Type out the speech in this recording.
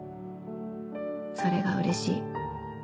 それがうれしい。